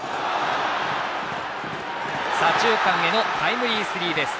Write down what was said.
左中間へのタイムリースリーベース。